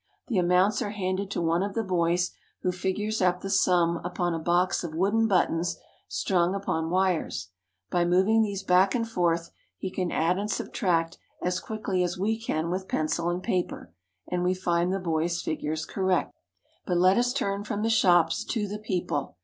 The amounts are handed to one of the boys, who figures up the sum upon a box of wooden but tons strung upon wires. By moving these back and forth he can add and subtract as quickly as we can with pencil and paper, and we find the boy's figures correct. TOKYO 41 But let us turn from the shops to the people.